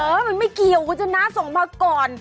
เออมันไม่เกี่ยวคุณชนะส่งมาก่อน